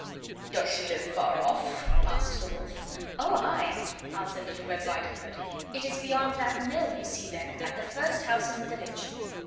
"Does she live far off?" said the Wolf. "Oh! ay," answered Little Red Riding Hood; "it is beyond that mill you see there, at the first house in the village."